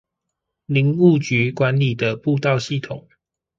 林務局管理的步道系統